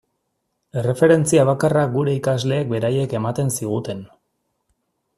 Erreferentzia bakarra gure ikasleek beraiek ematen ziguten.